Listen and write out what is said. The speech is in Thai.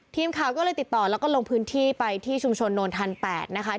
ทีมข่าวก็เลยติดต่อแล้วก็ลงพื้นที่ไปที่ชุมชนโนนทัน๘นะคะ